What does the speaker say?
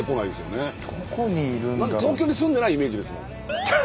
東京に住んでないイメージですもん。